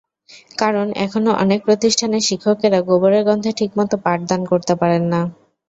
কারণ, এখনো অনেক প্রতিষ্ঠানে শিক্ষকেরা গোবরের গন্ধে ঠিকমতো পাঠদান করতে পারেন না।